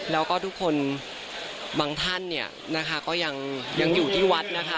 แล้วก็ทุกคนบางท่านเนี่ยนะคะก็ยังอยู่ที่วัดนะคะ